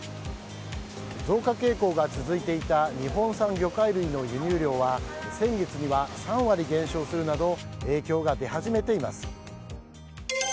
増加傾向が続いていた日本産魚介類の輸入量は先月には３割減少するなど影響が出始めています。